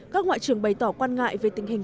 các ngoại trưởng bày tỏ quan ngại về tình hình